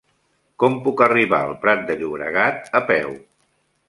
Com puc arribar al Prat de Llobregat a peu?